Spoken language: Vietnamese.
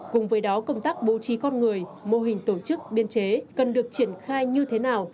cùng với đó công tác bố trí con người mô hình tổ chức biên chế cần được triển khai như thế nào